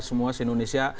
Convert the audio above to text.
semua si indonesia